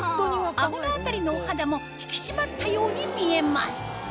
顎の辺りのお肌も引き締まったように見えます